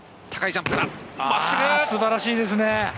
素晴らしいですね！